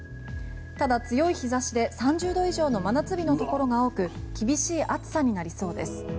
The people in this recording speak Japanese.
ただ、強い日差しで３０度以上の真夏日のところが多く厳しい暑さになりそうです。